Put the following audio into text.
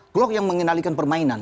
klok yang mengendalikan permainan